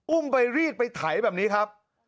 อุ้มไปรีดไปไถแบบนี้ครับ